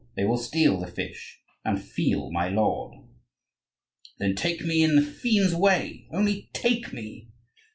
They will steal the fish, and feel my lord." "Then take me in the fiend's way, only take me."